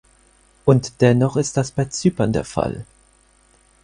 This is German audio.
Und dennoch ist das bei Zypern der Fall.